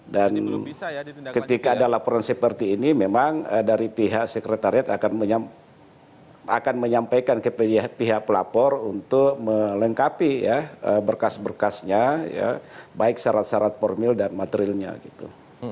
dan ketika ada laporan seperti ini memang dari pihak sekretariat akan menyampaikan ke pihak pelapor untuk melengkapi ya berkas berkasnya ya baik syarat syarat formal dan matrilnya gitu